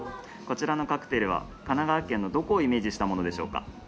こちらのカクテルは神奈川県のどこをイメージしたものでしょうか？